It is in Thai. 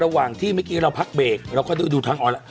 ระหว่างที่เมื่อกี้เราพักเรียงแล้วก็ดูทางออนแหละ